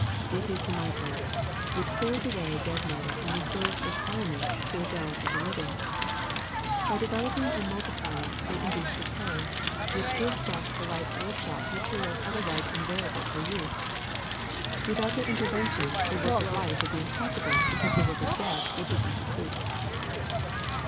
It is the microbe, which clears away dead matter and restores its elements to the realm of the living. By developing and multiply ing they induce decay, which gives back to life's Microbes (much enlarged) 318 THE SECRET OF EVERYDAY THINGS workshop materials otherwise unavailable for use. Without their intervention the work of life would be impossible because the work of death would be in complete.